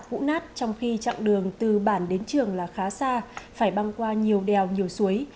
cũ nát trong khi chặng đường từ bản đến trường là khá xa phải băng qua nhiều đèo nhiều suối